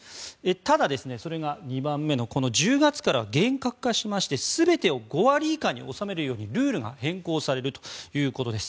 ただ、それが２番目のこの１０月から厳格化しまして全てを５割以下に収めるようにルールが変更されるということです。